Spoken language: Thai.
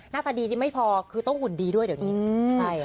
หน้าตาดีที่ไม่พอคือต้องหุ่นดีด้วยเดี๋ยวนี้ใช่